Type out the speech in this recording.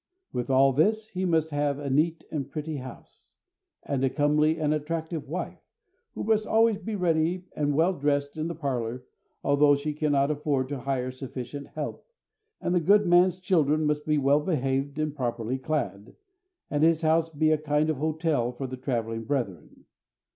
With all this he must have a neat and pretty house, and a comely and attractive wife, who must be always ready and well dressed in the parlor, although she cannot afford to hire sufficient "help." And the good man's children must be well behaved and properly clad, and his house be a kind of hotel for the travelling brethren.